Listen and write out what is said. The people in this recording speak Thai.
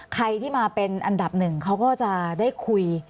ใครที่มาเป็นอันดับหนึ่งเขาก็จะได้คุย